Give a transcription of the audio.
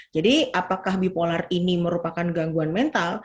jadi apakah bipolar ini merupakan gangguan mental